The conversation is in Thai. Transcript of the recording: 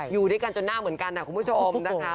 อยู่ด้วยกันจนหน้าเหมือนกันนะคุณผู้ชมนะคะ